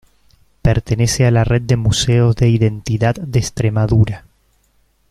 Pertenece a la red de Museos de Identidad de Extremadura.